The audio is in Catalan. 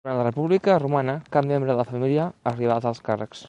Durant la república romana cap membre de la família arribà als alts càrrecs.